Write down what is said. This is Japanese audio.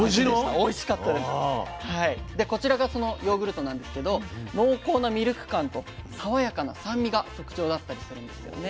こちらがそのヨーグルトなんですけど濃厚なミルク感とさわやかな酸味が特徴だったりするんですよね。